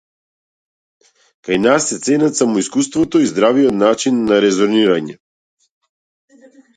Кај нас се ценат само искуството и здравиот начин на резонирање.